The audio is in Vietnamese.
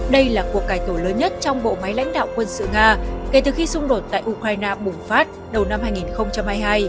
đây là cuộc cải tổ lớn nhất trong bộ máy lãnh đạo quân sự nga kể từ khi xung đột tại ukraine bùng phát đầu năm hai nghìn hai mươi hai